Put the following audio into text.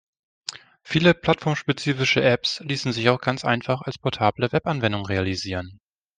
Viele plattformspezifische Apps ließen sich auch ganz einfach als portable Webanwendung realisieren.